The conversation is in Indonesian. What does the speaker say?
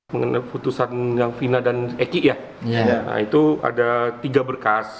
mengenai putusan yang fina dan eki ya itu ada tiga berkas